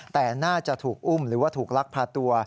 แต่น่าจะถูกอุ้มหรือว่าถูกลักพาตัว